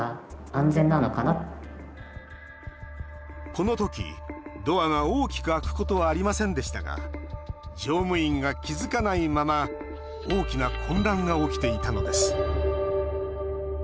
このとき、ドアが大きく開くことはありませんでしたが乗務員が気付かないまま大きな混乱が起きていたのです。